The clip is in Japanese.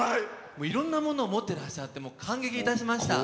いろんなものを持ってらっしゃって感激いたしました。